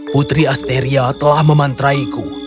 putri asteria telah memantraiku